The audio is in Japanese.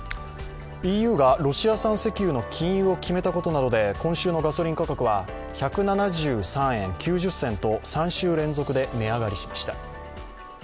ＥＵがロシア産石油の禁輸を決めたことなどで今週のガソリン価格は１７３円９０銭と３週連続で値上がりしました。